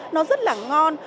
nó rất là ngon